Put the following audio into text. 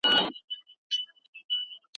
کتابونه وايي چي لارښود باید د مشر په څېر وي.